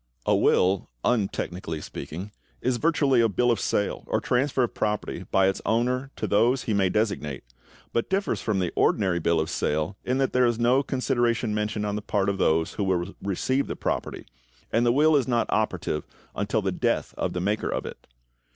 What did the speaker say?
= A will, untechnically speaking, is virtually a bill of sale or transfer of property by its owner to those he may designate, but differs from the ordinary bill of sale in that there is no consideration mentioned on the part of those who will receive the property, and the will is not operative until the death of the maker of it.